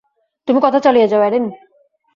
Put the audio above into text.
তুমি কথা চালিয়ে যাও, অ্যারিন!